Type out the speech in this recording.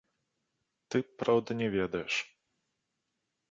Ты, праўда, не ведаеш.